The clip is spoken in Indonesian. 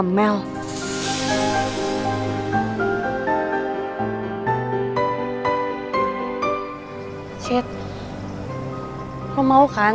gimana caranya biar putri bisa ngerti dan mau ngelakuin hal ini